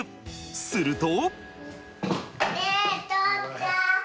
すると。